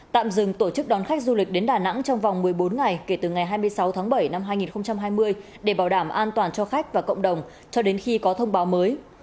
tạm dừng tổ chức đón khách du lịch đến đà nẵng trong vòng một mươi bốn ngày kể từ ngày hai mươi sáu tháng bảy năm hai nghìn hai mươi để bảo đảm an toàn cho khách và cộng đồng cho đến khi có thông báo mới